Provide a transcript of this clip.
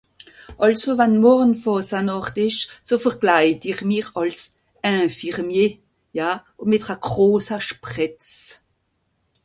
Àlso wann morn Fàsanàcht ìsch, so verkleid ich mich àls infirmier, ja, mìt'ra grosa Sprìtz.